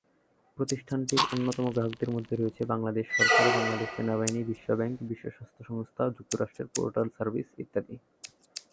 প্রতিষ্ঠানটির অন্যতম গ্রাহকদের মধ্যে রয়েছে বাংলাদেশ সরকার, বাংলাদেশ সেনাবাহিনী, বিশ্ব ব্যাংক, বিশ্ব স্বাস্থ্য সংস্থা, যুক্তরাষ্ট্রের পোস্টাল সার্ভিস ইত্যাদি।